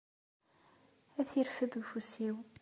Ad t-irfed ufus-iw.